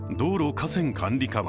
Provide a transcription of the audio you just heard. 河川管理課は